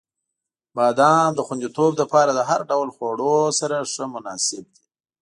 • بادام د خوندیتوب لپاره د هر ډول خواړو سره ښه مناسب دی.